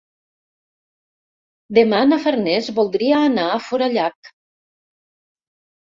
Demà na Farners voldria anar a Forallac.